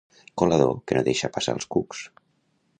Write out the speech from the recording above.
Colador que no deixa passar els cucs.